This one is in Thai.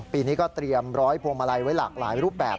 ปีนี้ก็เตรียมร้อยพวงมาลัยไว้หลากหลายรูปแบบ